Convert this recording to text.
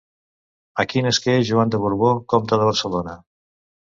Aquí nasqué Joan de Borbó, comte de Barcelona.